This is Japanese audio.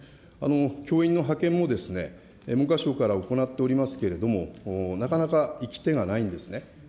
教員の派遣も文科省から行っておりますけれども、なかなか行き手がないんですね。